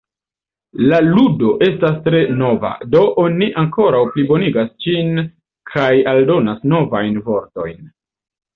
La ludo estas tre nova, do oni ankoraŭ plibonigas ĝin kaj aldonas novajn vortojn.